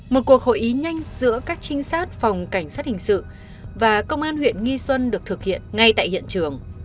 một cuộc hội ý nhanh giữa các trinh sát phòng cảnh sát hình sự và công an huyện nghi xuân được thực hiện ngay tại hiện trường